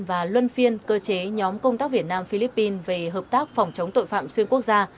và luân phiên cơ chế nhóm công tác việt nam philippines về hợp tác phòng chống tội phạm xuyên quốc gia